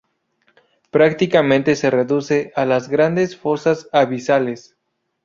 Prácticamente se reduce a las grandes fosas abisales.